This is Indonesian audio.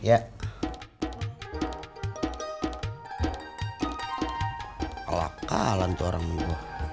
alakalan tuh orang